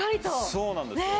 そうなんですよ。